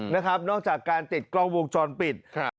นะครับนอกจากการติดกล้องวงจรปิด